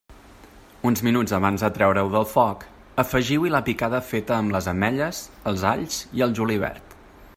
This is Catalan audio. Uns minuts abans de treure-ho del foc, afegiu-hi la picada feta amb les ametlles, els alls i el julivert.